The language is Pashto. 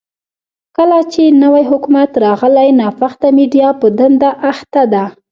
کله چې نوی حکومت راغلی، ناپخته میډيا په دنده اخته ده.